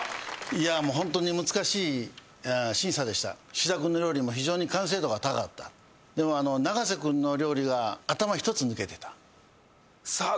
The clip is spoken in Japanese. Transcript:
いやもう本当に難しい審査でした志田君の料理も非常に完成度が高かったでも長瀬君の料理が頭一つ抜けてたさあ